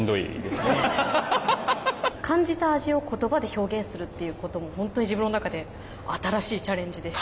感じた味を言葉で表現するっていうこともホントに自分の中で新しいチャレンジでした。